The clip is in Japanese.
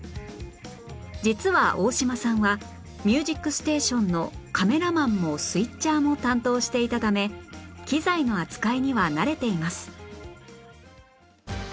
実は大島さんは『ミュージックステーション』のカメラマンもスイッチャーも担当していたため機材の扱いには慣れています